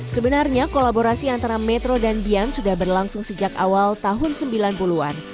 sebenarnya kolaborasi antara metro dan bian sudah berlangsung sejak awal tahun sembilan puluh an